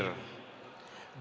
bapak ibu dan seluruh tamu undangan